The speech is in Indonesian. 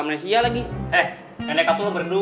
berarti tata edition kan bustane berarti